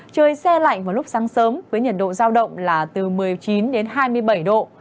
trời xe lạnh vào lúc sáng sớm với nhiệt độ giao động là từ một mươi chín đến hai mươi bảy độ